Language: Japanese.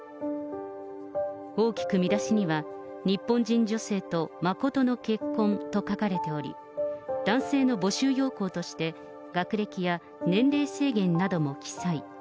大きく見出しには、日本人女性と真の結婚と書かれており、男性の募集要項として、学歴や年齢制限なども記載。